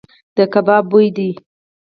د کباب بوی دی .